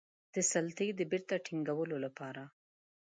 د سلطې د بیرته ټینګولو لپاره.